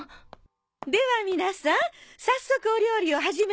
では皆さん早速お料理を始めましょう。